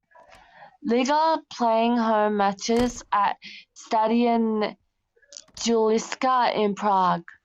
Liga, playing home matches at Stadion Juliska in Prague.